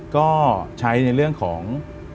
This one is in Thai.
ก็ใช้ในเรื่องของ